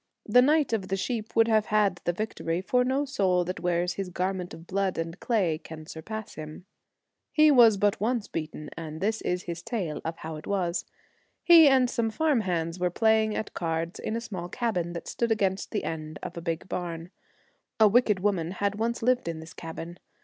The knight of the sheep would have had the victory, for no soul that wears this garment of blood and clay can sur pass him. He was but once beaten ; and this is his tale of how it was. He and some farm hands were playing at cards in a small cabin that stood against the end of a big barn. A wicked woman had once lived in this cabin.